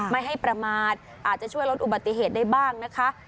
ไม่ให้ประมาทอาจจะช่วยลดอุบัติเหตุได้บ้างนะคะ